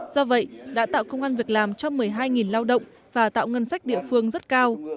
do vậy đã tạo công an việc làm cho một mươi hai lao động và tạo ngân sách địa phương rất cao